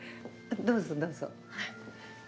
どうぞどうぞ。